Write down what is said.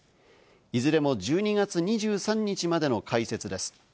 いずれも１２月２３日までの開設です。